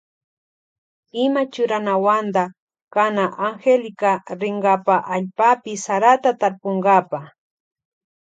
Ima churanawanta kana Angélica rinkapa allpapi sarata tarpunkapa.